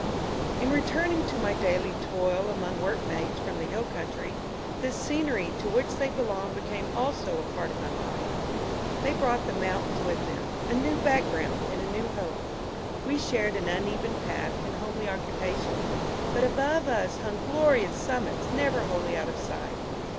In returning to my daily toil among workmates from the hill country, the scenery to which they belonged became also a part of my life. They brought the mountains with them, a new background and a new hope. We shared an uneven path and homely occupations; but above us hung glorious summits never wholly out of sight.